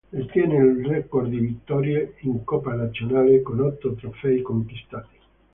Detiene il record di vittorie in coppa nazionale con otto trofei conquistati.